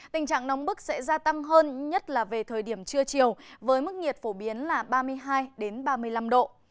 tình trạng nóng bức sẽ gia tăng hơn nhất là về thời điểm trưa chiều với mức nhiệt phổ biến là ba mươi hai ba mươi năm độ